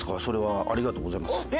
それはありがとうございます。